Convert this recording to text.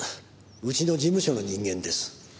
うちの事務所の人間です。